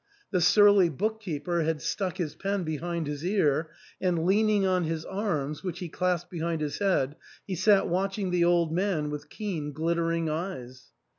The surly book keeper had stuck his pen behind his ear, and leaning on his arms, which he clasped behind his head, he sat watching the old man with keen glit tering eyes.